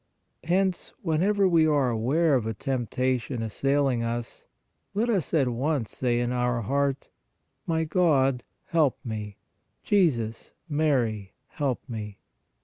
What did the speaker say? Hence whenever we are aware of a temptation assailing us, let us at once say in our heart :" My God, help me ! Jesus, Mary, help me